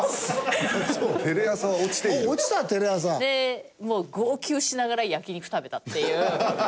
テレ朝。でもう号泣しながら焼肉食べたっていう。